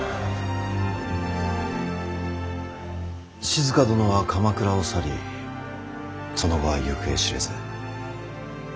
静殿は鎌倉を去りその後は行方知れず。